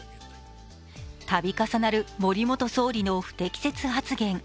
度重なる森元総理の不適切発言。